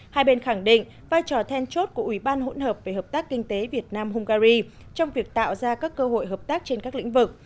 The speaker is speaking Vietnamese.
hai bên khẳng định vai trò then chốt của ủy ban hỗn hợp về hợp tác kinh tế việt nam hungary trong việc tạo ra các cơ hội hợp tác trên các lĩnh vực